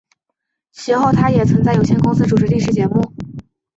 其后他也曾在有线电视主持电视节目。